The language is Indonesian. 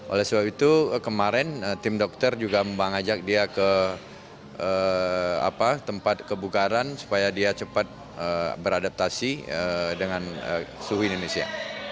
oleh sebab itu kemarin tim dokter juga mengajak dia ke tempat kebukaran supaya dia cepat beradaptasi dengan suhu indonesia